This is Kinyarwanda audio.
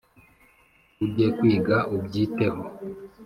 ujye kwiga ubyiteho